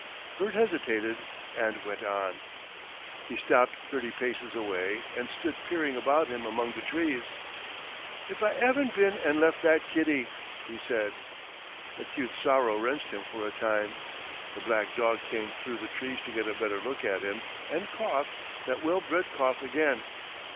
Bert hesitated and went on. He stopped thirty paces away and stood peering about him among the trees. "If I 'aven't been and lef' that kitten," he said. Acute sorrow wrenched him for a time. The black dog came through the trees to get a better look at him and coughed that well bred cough again.